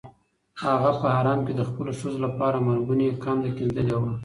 هغه په حرم کې د خپلو ښځو لپاره مرګونې کنده کیندلې وه.